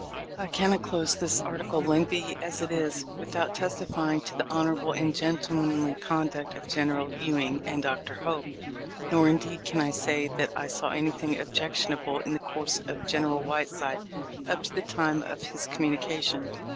I cannot close this article, lengthly as it is, with out testifying to the honorable and gentlemanly conduct of General Ewing and Dr. Hope, nor indeed can I say that I saw anything objectionable in the course of General Whiteside up to the time of his communication.